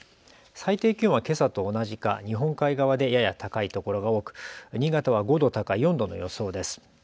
最低気温はけさと同じか日本海側でやや高いところが多く新潟は５度高い４度の予想です。